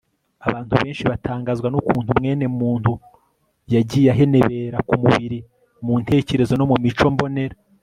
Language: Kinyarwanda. abantu benshi batangazwa n'ukuntu mwenemuntu yagiye ahenebera ku mubiri, mu ntekerezo no mu mico mbonera